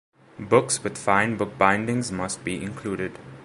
Books with fine bookbindings might be included.